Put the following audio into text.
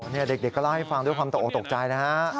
นี่เด็กก็เล่าให้ฟังด้วยความตกออกตกใจนะฮะ